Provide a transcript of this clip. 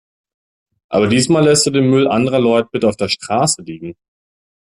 Aber diesmal lässt du den Müll anderer Leut bitte auf der Straße liegen.